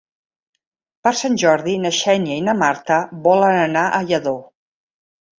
Per Sant Jordi na Xènia i na Marta volen anar a Lladó.